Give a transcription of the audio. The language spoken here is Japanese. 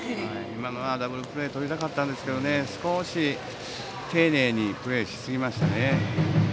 今のはダブルプレーとりたかったですが少し、丁寧にプレーしすぎましたね。